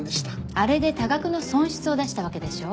あれで多額の損失を出したわけでしょう。